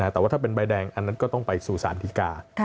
แต่ว่าถ้าเป็นใบแดงอันนั้นก็ต้องไปสู่สารดีกา